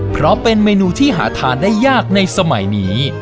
เพราะเป็นเมนูที่หาทานได้ยากในสมัยนี้